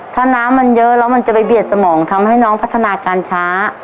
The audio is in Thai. ถ้าน้ำมันเยอะแล้วมันจะไปเบียดสมองทำให้น้องพัฒนาการช้า